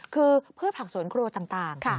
คือพืชผักสวนครัวต่าง